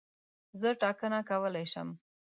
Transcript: زه ټاکنه کولای شم.